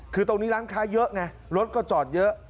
คือตรงนี้ร้านค้าเยอะไงรถก็จอดเยอะ